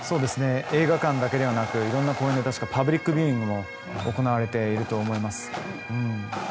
映画館だけではなくいろんな公園で確かパブリックビューイングも行われていると思います。